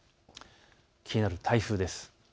気になる台風です。